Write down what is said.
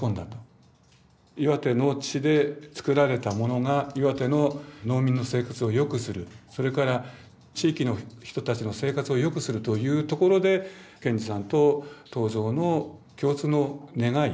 岩手の地で作られたものが岩手の農民の生活をよくするそれから地域の人たちの生活をよくするというところで賢治さんと東蔵の共通の願い